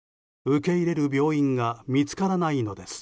受け入れる病院が見つからないのです。